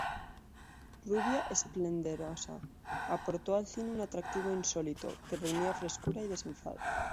Rubia esplendorosa, aportó al cine un atractivo insólito, que reunía frescura y desenfado.